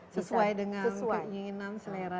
sesuai dengan keinginan selera